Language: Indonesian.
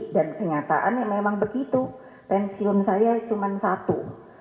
kenyataannya memang begitu pensiun saya cuma satu